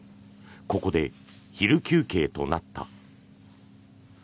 ここで昼休憩となった。